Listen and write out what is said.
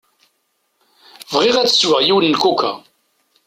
Bɣiɣ ad sweɣ yiwen n kuka.